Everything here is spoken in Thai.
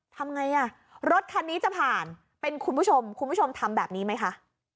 ทำไงอ่ะรถคันนี้จะผ่านเป็นคุณผู้ชมคุณผู้ชมทำแบบนี้ไหมคะ